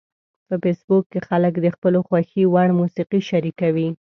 په فېسبوک کې خلک د خپلو خوښې وړ موسیقي شریکوي